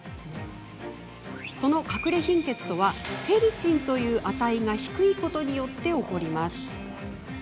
その、かくれ貧血とはフェリチンという値が低いことによって起こります。